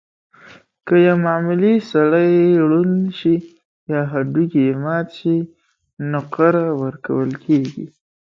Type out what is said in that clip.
که یو معمولي سړی ړوند شي یا هډوکی یې مات شي، نقره ورکول کېږي.